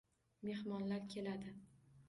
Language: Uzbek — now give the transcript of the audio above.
Mehmonlar keladi.